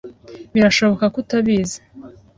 Birashoboka ko utabizi.